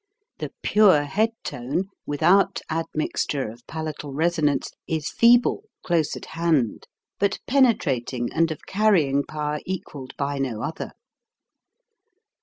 The pure head tone, without admixture of palatal resonance, is feeble, close at hand, but penetrating and of carrying power equalled 170 HOW TO SING by no other.